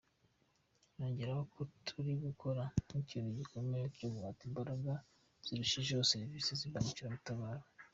Nongereho ko turi gukora n’ikintu gikomeye cyo guha imbaraga zirushijeho serivisi z’imbangukiragutabara.